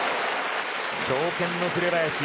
強肩の紅林。